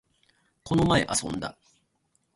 この前、遊んだ